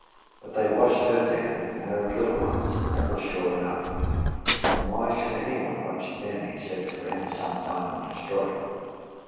But they watched her den and her own little ones, that was sure enough; and why should any one watch a den except to enter some time and destroy?